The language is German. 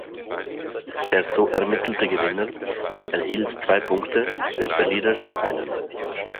Der so ermittelte Gewinner erhielt zwei Punkte, der Verlierer einen.